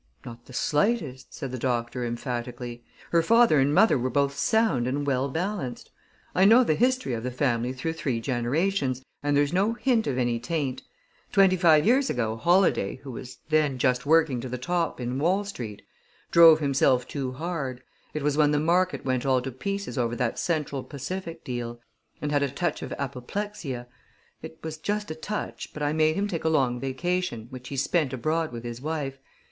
"Not the slightest," said the doctor emphatically. "Her father and mother were both sound and well balanced. I know the history of the family through three generations, and there's no hint of any taint. Twenty five years ago Holladay, who was then just working to the top in Wall Street, drove himself too hard it was when the market went all to pieces over that Central Pacific deal and had a touch of apoplexia. It was just a touch, but I made him take a long vacation, which he spent abroad with his wife.